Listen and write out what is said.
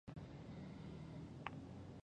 دا ښځه هغه حالت دى